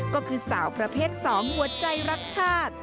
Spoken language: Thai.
ก็คือสาวประเภท๒หัวใจรักชาติ